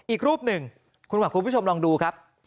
อีกรูปหนึ่งคุณผู้ชมลองดูครับ